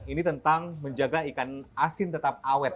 ini tentang menjaga ikan asin tetap awet